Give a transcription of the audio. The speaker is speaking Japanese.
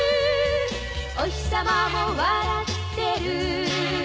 「おひさまも笑ってる」